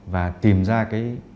và tìm ra cái